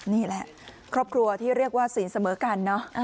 นี่แหละครอบครัวที่เรียกว่าศีลเสมอกันเนอะ